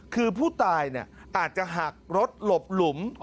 คือผู้ตายอาจจะหักรถหลบหลุม